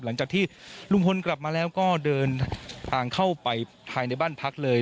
หลังจากที่ลุงพลกลับมาแล้วก็เดินทางเข้าไปภายในบ้านพักเลย